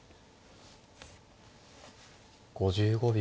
５５秒。